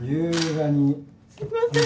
すいません。